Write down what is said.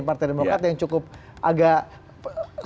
partai demokrat yang cukup agak